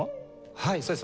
はいそうです。